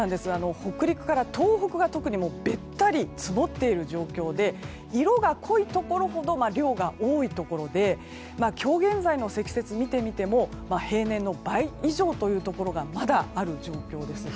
北陸から東北は特にべったり積もっている状況で色が濃いところほど量が多いところで今日現在の積雪を見てみても平年の倍以上というところがまだある状況です。